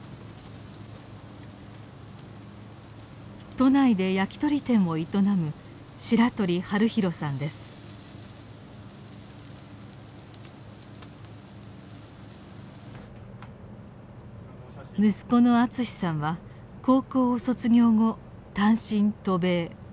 都内で焼き鳥店を営む息子の敦さんは高校を卒業後単身渡米。